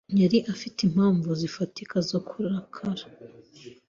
yari afite impamvu zifatika zo kurakara.